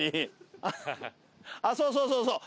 あっそうそうそうそう。